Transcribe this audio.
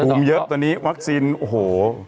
เยอะตอนนี้วัคซีนโอ้โห